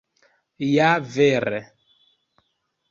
Ja vere!